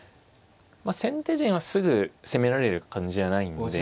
まあ先手陣はすぐ攻められる感じじゃないんで。